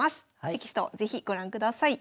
テキストを是非ご覧ください。